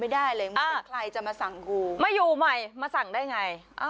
ไม่ได้เลยไม่มีใครจะมาสั่งกูมาอยู่ใหม่มาสั่งได้ไง